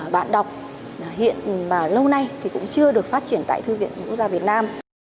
và hiện mà lâu nay thì cũng chưa được phát triển tại thư viện quốc gia việt nam